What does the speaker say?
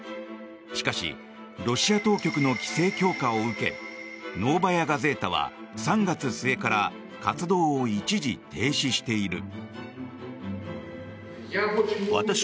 しかし、ロシア当局の規制強化を受けノーバヤ・ガゼータは３月末から活動を一時停止している。